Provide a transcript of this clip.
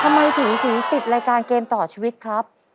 ทำไมถึงปิดรายการเกมต่อชีวิตครับ